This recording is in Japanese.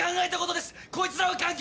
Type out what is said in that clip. こいつらは関係。